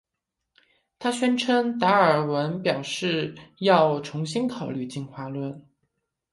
她宣称达尔文表示要重新考虑进化论。